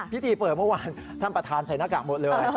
พิธีเปิดเมื่อวานท่านประธานใส่หน้ากากหมดเลย